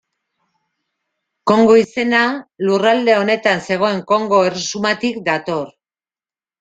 Kongo izena lurralde honetan zegoen Kongo erresumatik dator.